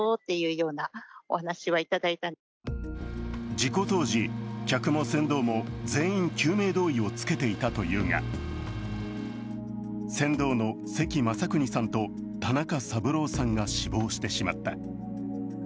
事故当時、客も船頭も全員救命胴衣を着けていたというが、船頭の関雅有さんと田中三郎さんが死亡してしまった。